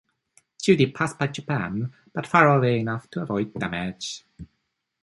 Judy passed by Japan, but far away enough to avoid damage.